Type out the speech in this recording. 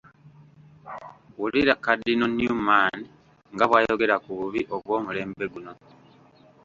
Wulira Cardinal Newman nga bw'ayogera ku bubi obw'omulembe guno.